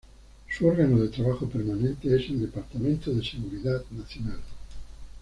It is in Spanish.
Su órgano de trabajo permanente es el Departamento de Seguridad Nacional.